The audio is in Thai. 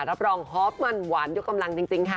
รับรองฮอตมันหวานยกกำลังจริงค่ะ